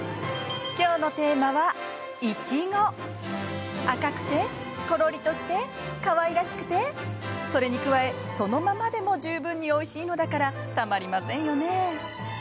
今日のテーマは赤くてコロリとしてかわいらしくてそれに加えそのままでも十分においしいのだからたまりませんよね。